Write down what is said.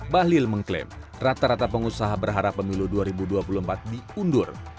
bahlil mengklaim rata rata pengusaha berharap pemilu dua ribu dua puluh empat diundur